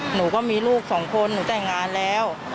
หนูก็มีลูกสองคนหนูแต่งงานแล้ว